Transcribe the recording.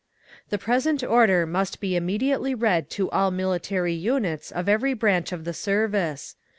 "The present order must be immediately read to all military units of every branch of the service.